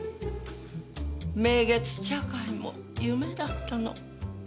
名月茶会も夢だったの。